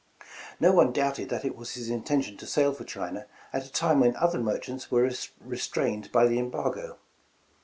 No one doubted that it was his intention to sail for China at a time when other merchants were restrained by the embargo.